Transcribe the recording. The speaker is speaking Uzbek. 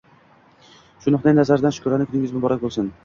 Shu nuqtai nazardan, Shukrona kuningiz muborak boʻlsin